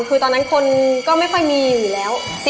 คือตอนนั้นคนก็ไม่ค่อยมีอยู่แล้ว